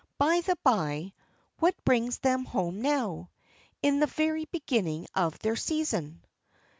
By the bye, what brings them home now? In the very beginning of their season?"